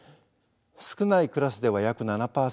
少ないクラスでは約７％。